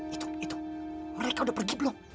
itu itu mereka sudah pergi belum